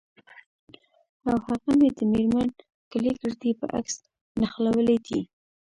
او هغه مې د میرمن کلیګرتي په عکس نښلولي دي